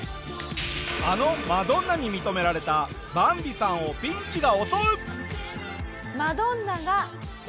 あのマドンナに認められたバンビさんをピンチが襲う！